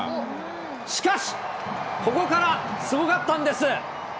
しかし、ここからすごかったんです。